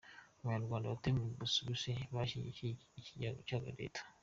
Abanyarwanda batuye mu Busuwisi bashyigikiye Ikigega cya leta